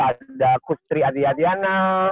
ada kustri adi adiana